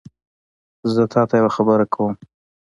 زه تاته یوه خبره کوم